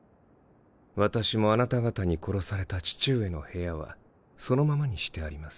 私もあなた方に殺された父上の部屋はそのままにしてあります。